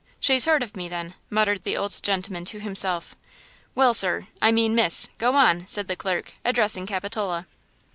she's heard of me, then!" muttered the old gentleman to himself. "Well, sir–I mean, miss–go on!" said the clerk, addressing Capitola.